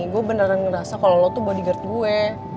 gue beneran ngerasa kalau lu tuh bodyguard gue